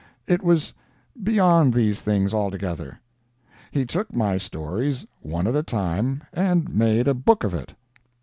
It was beyond these things altogether. He took my stories one at a time and made a book of it.